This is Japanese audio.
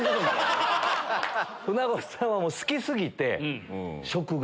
船越さんは好き過ぎて食が。